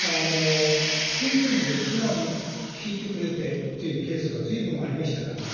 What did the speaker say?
本当に、素直に聞いてくれてっていうケースがずいぶんありましたからね。